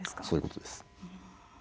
そういうことです。